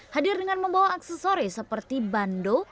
hadir dengan membawa aksesori seperti bando